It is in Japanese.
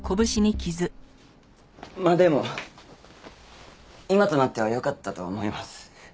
まあでも今となってはよかったと思います。